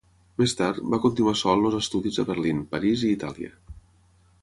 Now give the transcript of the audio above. Més tard, va continuar sol els estudis a Berlín, París i Itàlia.